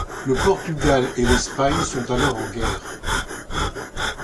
Le Portugal et l'Espagne sont alors en guerre.